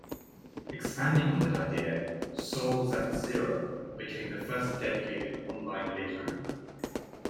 Expanding on that idea, Soulz at Zero became the first dedicated online lit group.